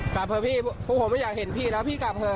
กลับเถอะพี่พวกผมไม่อยากเห็นพี่แล้วพี่กลับเถอ